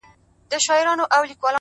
خاموش ذهن روښانه مسیر جوړوي!.